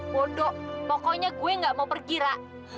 bodoh pokoknya gue gak mau pergi ra